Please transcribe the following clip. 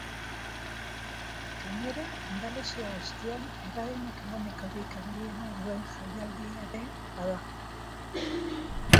Gainera, Andaluzia guztian eragin ekonomikorik handiena duen jaialdia ere bada.